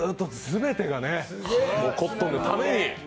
全てがコットンのために。